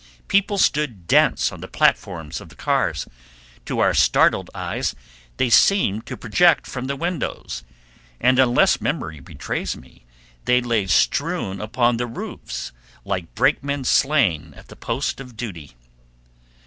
People stood dense on the platforms of the cars; to our startled eyes they seemed to project from the windows, and unless memory betrays me they lay strewn upon the roofs like brakemen slain at the post of duty.